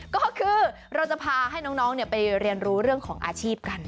ก็คือเราจะพาให้น้องไปเรียนรู้เรื่องของอาชีพกัน